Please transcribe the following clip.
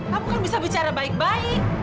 kamu kan bisa bicara baik baik